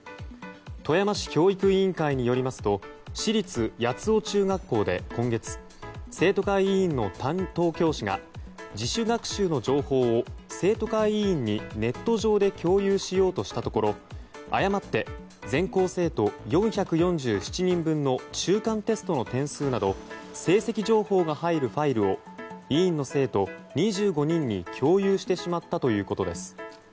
富山市教育委員会によりますと市立八尾中学校で今月生徒会委員の担当教師が自主学習の情報を生徒会委員にネット上で共有しようとしたところ誤って全校生徒４４７人分の中間テストの点数など成績情報が入るファイルを委員の生徒２５人に共有してしまったということです。